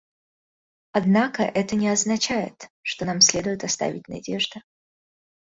Однако это не означает, что нам следует оставить надежды.